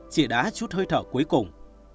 chị đã chút hơi thở cuối cùng